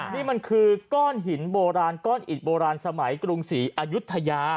นี่มันคือก้อนหินโบราณก้อนอิดโบราณสมัยกรุงศรีอายุทยา